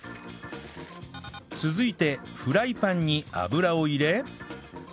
続いてフライパンに油を入れ